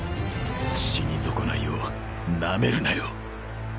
死に損ないをなめるなよ！